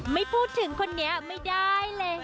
ไม่พูดถึงคนนี้ไม่ได้เลย